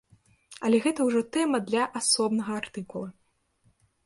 Але гэта ўжо тэма для асобнага артыкула.